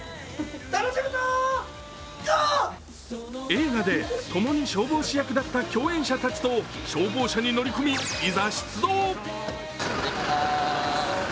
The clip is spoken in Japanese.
映画でともに消防士役だった共演者たちと消防車に乗り込みいざ出動。